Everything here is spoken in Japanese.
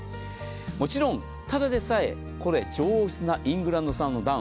もちろんただでさえ、これ上質なイングランド産のダウン。